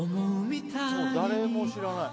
もう誰も知らない